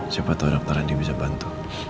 siapa tahu dokter andi bisa bantu